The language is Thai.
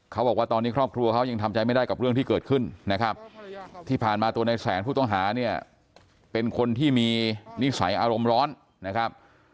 เขาบอกว่าตอนนี้ครอบครัวเขายังทำใจไม่ได้กับเรื่องที่เกิดขึ้นนะครับที่ผ่านมาตัวในแสนผู้ต้องหาเนี่ยเป็นคนที่มีนิสัยอารมณ์ร้อนนะครับ